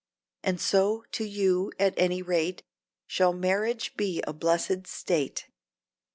And so, to you, at any rate, Shall marriage be a "blessèd state."